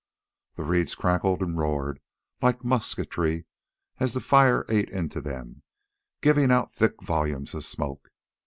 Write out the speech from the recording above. The reeds crackled and roared like musketry as the fire ate into them, giving out thick volumes of smoke.